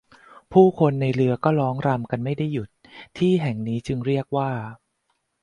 ผู้คนในเรือก็ร้องรำกันไม่ได้หยุดที่แห่งนี้จึงเรียกว่า